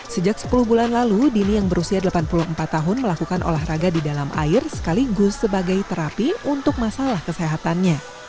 sejak sepuluh bulan lalu dini yang berusia delapan puluh empat tahun melakukan olahraga di dalam air sekaligus sebagai terapi untuk masalah kesehatannya